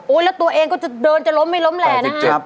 โอ๊ยแล้วตัวเองก็จะเดินจะล้มไม่ล้มแหล่นะครับ๘๗